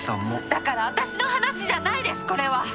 だから私の話じゃないですこれは。